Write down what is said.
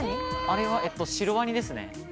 あれはシロワニですね。